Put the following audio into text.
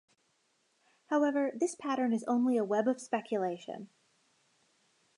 However, this pattern is only a web of speculation.